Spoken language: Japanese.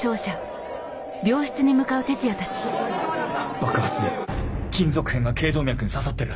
爆発で金属片が頸動脈に刺さってる。